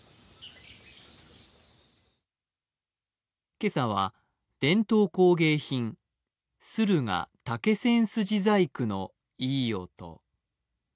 今朝は伝統工芸品、駿河竹千筋細工のいい音。